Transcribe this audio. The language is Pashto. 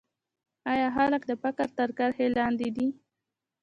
آیا خلک د فقر تر کرښې لاندې دي؟